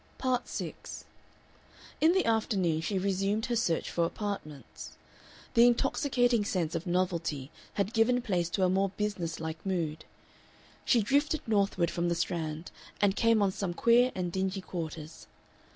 Part 6 In the afternoon she resumed her search for apartments. The intoxicating sense of novelty had given place to a more business like mood. She drifted northward from the Strand, and came on some queer and dingy quarters.